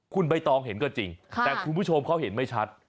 คุณใบตองเห็นก็จริงแต่คุณผู้ชมเขาเห็นไม่ชัด